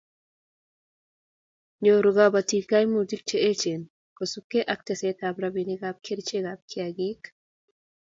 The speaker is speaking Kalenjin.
nyoru kabotik kaimutik che echen kosubgei ak tesetab robinikab kerchekab kiagik